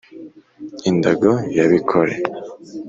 i ndago ya bikore